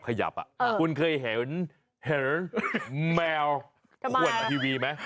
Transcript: คุณเคยเห็นแมวขวนทีวีไหม